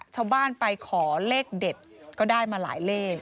ชาวบ้านไปขอเลขเด็ดก็ได้มาหลายเลข